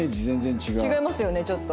違いますよねちょっと。